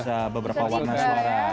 bisa beberapa warna suara